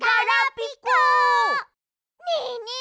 ねえねえ